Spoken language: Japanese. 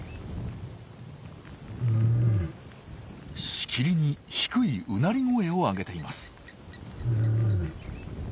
しきりに低いうなり声を上げています。